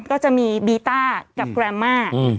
ก็จะมีบีต้ากับแรมมา